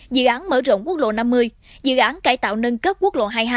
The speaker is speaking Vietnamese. dự án mở rộng quốc lộ năm mươi dự án cải tạo nâng cấp quốc lộ hai mươi hai